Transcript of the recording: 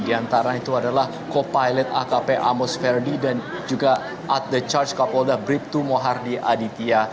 di antara itu adalah co pilot akp amos ferdi dan juga at the charge kapolda bribtu mohardi aditya